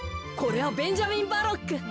これはベンジャミンバロック。